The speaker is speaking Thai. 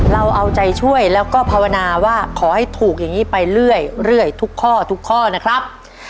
เราเอาใจช่วยแล้วก็ภาวนาว่าขอให้ถูกอย่างนี้ไปเรื่อยทุกข้อทุกข้อนะครับ